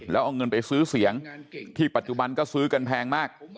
แล้วเอาเงินไปซื้อเสียงที่ปัจจุบันก็ซื้อกันแพงมาก